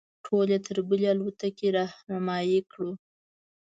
ټول یې تر بلې الوتکې رهنمایي کړو.